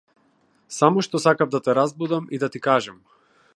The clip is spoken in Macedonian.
Само што сакав да те разбудам и да ти кажам.